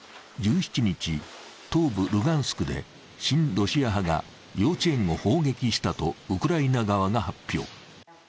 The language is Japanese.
１７日、東部ルガンスクで親ロシア派が幼稚園を砲撃したとウクライナ側が発表。